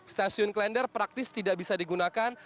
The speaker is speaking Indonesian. stasiun klender praktis tidak bisa digunakan